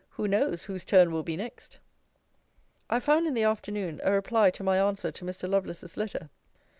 Who knows, whose turn will be next? I found in the afternoon a reply to my answer to Mr. Lovelace's letter.